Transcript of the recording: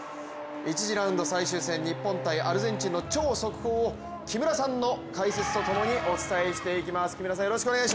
１次ラウンド最終戦、日本×アルゼンチンの超速報を木村さんの解説とともにお伝えしていきます。